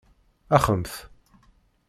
Axemt!